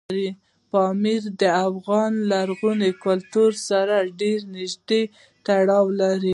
پامیر د افغان لرغوني کلتور سره ډېر نږدې تړاو لري.